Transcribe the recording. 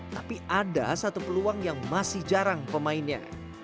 tapi ada satu peluang yang masih jarang pemainnya